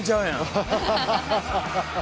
アハハハ。